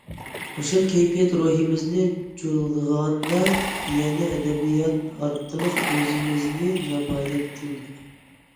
خۇشال كەيپىيات روھىمىزنى چۇلغىغاندا يەنە ئەدەبىيات ئارقىلىق ئۆزىمىزنى نامايان قىلدۇق.